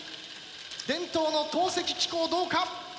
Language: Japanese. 伝統の投石機構どうか？